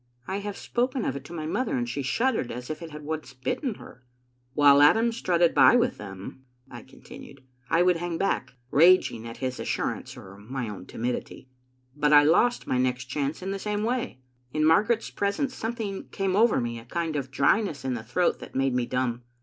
"I have spoken of it to my mother, and she shuddered, as if it had once bitten her." "While Adam strutted by with them," I continued^ •* I would hang back, raging at his assurance or my own Digitized by VjOOQ IC Stoti2 ot tbc !>oiiiinie* 80i timidity; but I lost my next chance in the same way. In Margaret's presence something came over me, a kind of dryness in the throat, that made me dumb.